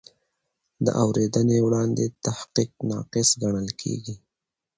د اورېدنې وړاندې تحقیق ناقص ګڼل کېږي.